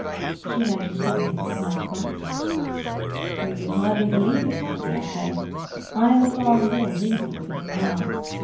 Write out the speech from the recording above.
"She mentioned something of the kind once." "You could hardly believe it, I dare say? I am a far more reasonable being now.